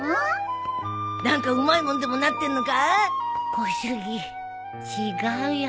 小杉違うよ。